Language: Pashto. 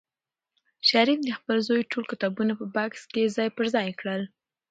شریف د خپل زوی ټول کتابونه په بکس کې ځای پر ځای کړل.